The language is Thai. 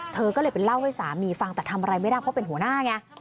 เธอก็เลยไปเล่าให้สามีฟังแต่ทำอะไรไม่ได้เพราะเป็นหัวหน้าไง